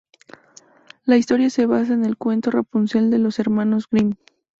La historia se basa en el cuento Rapunzel de los Hermanos Grimm.